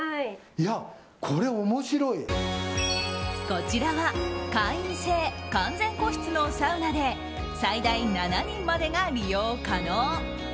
こちらは会員制・完全個室のサウナで最大７人までが利用可能。